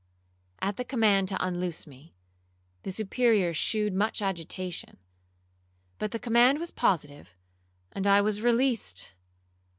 At the command to unloose me, the Superior shewed much agitation; but the command was positive, and I was released.